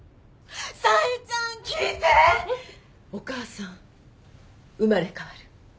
お母さん生まれ変わる。